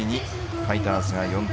ファイターズが４点